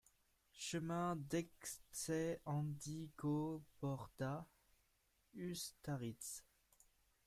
Chemin d'Etxehandikoborda, Ustaritz